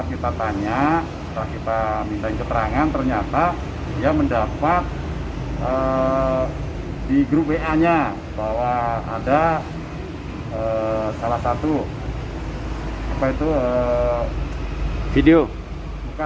ibu ingat air usok